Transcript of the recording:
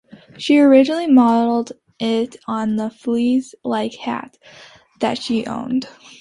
She originally modeled it on a fez-like hat that she owned.